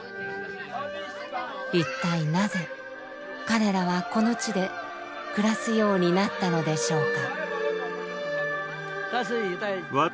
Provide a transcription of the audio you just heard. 一体なぜ彼らはこの地で暮らすようになったのでしょうか？